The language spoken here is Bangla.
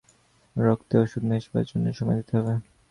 রক্তে অষুধ মেশবার জন্যে সময় দিতে হবে।